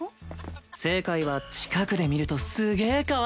正解は「近くで見るとすげえかわいい」でした！